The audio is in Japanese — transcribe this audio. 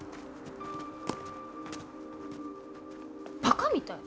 バカみたい。